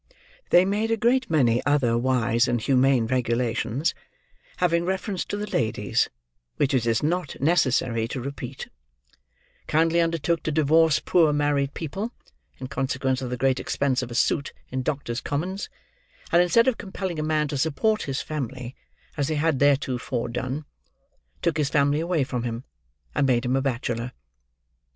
They made a great many other wise and humane regulations, having reference to the ladies, which it is not necessary to repeat; kindly undertook to divorce poor married people, in consequence of the great expense of a suit in Doctors' Commons; and, instead of compelling a man to support his family, as they had theretofore done, took his family away from him, and made him a bachelor!